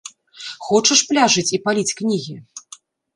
Хочаш пляжыць і паліць кнігі?